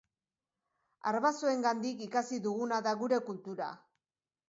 Arbasoengandik ikasi duguna da gure kultura.